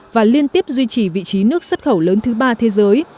và liên tiếp duy trì vị trí nước xuất khẩu lớn thứ ba thế giới